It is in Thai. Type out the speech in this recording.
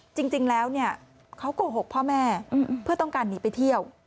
จริงแล้วเนี่ยเขาโกหกพ่อแม่เพื่อต้องการหนีไปเที่ยว